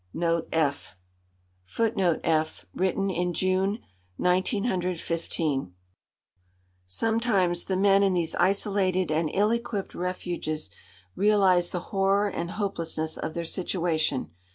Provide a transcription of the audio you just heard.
[F] [Footnote F: Written in June, 1915.] Sometimes the men in these isolated and ill equipped refuges realise the horror and hopelessness of their situation.